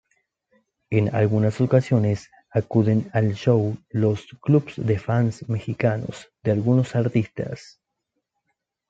En algunas ocasiones acuden al show los clubs de fans mexicanos de algunos artistas.